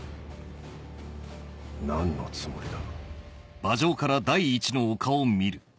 何のつもりだ？